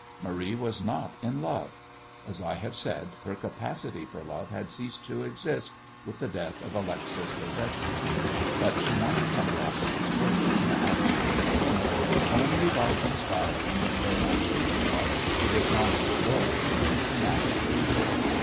Marie was not in love. As I have said, her capacity for love had ceased to exist with the death of Alexis Bozevsky, but she wanted Kamarowsky's fortune, and she would obtain it only by conspiring with Donat Prilukoff, the dishonest lawyer, her master.